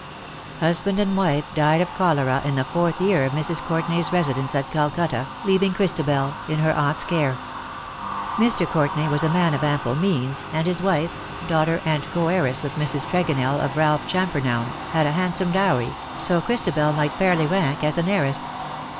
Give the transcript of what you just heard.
Husband and wife died of cholera in the fourth year of Mrs. Courtenay's residence at Calcutta, leaving Christabel in her aunt's care. Mr. Courtenay was a man of ample means, and his wife, daughter and co heiress with Mrs. Tregonell of Ralph Champernowne, had a handsome dowry, so Christabel might fairly rank as an heiress.